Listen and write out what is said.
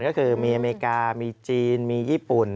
ก็คือมีอเมริกามีจีนมีญี่ปุ่น